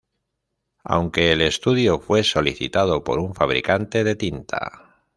Aunque el estudio fue solicitado por un fabricante de tinta.